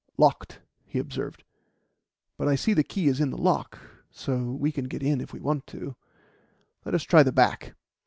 "Locked," he observed, "but I see the key is in the lock, so we can get in if we want to. Let us try the back."